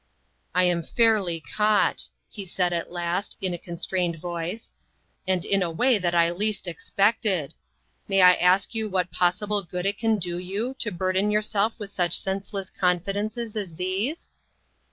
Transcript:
" I am fairly caught," he said at last, in a constrained voice, " and in a way that I least expected. May I ask you what possi ble good it can do you to burden yourself with such senseless confidences as these